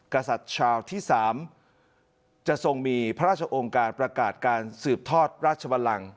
กษัตริย์ชาวที่๓จะทรงมีพระราชองค์การประกาศการสืบทอดราชบันลัง